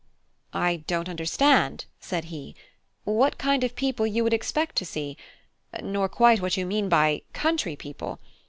"I don't understand," said he, "what kind of people you would expect to see; nor quite what you mean by 'country' people.